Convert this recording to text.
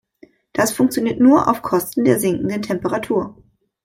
Das funktioniert nur auf Kosten der sinkenden Temperatur.